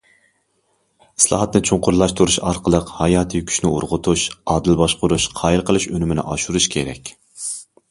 ئىسلاھاتنى چوڭقۇرلاشتۇرۇش ئارقىلىق ھاياتىي كۈچنى ئۇرغۇتۇش، ئادىل باشقۇرۇش، قايىل قىلىش ئۈنۈمىنى ئاشۇرۇش كېرەك.